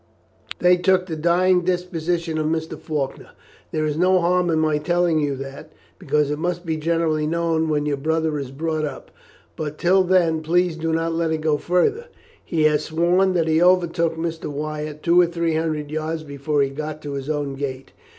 They took the dying deposition of Mr. Faulkner. There is no harm in my telling you that, because it must be generally known when your brother is brought up, but till then please do not let it go further. He has sworn that he overtook Mr. Wyatt two or three hundred yards before he got to his own gate.